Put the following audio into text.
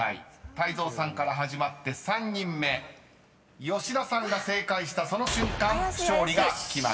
泰造さんから始まって３人目吉田さんが正解したその瞬間勝利が決まります］